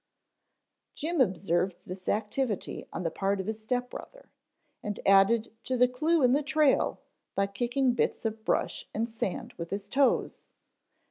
Jim observed this activity on the part of his step brother, and added to the clue in the trail by kicking bits of brush and sand with his toes.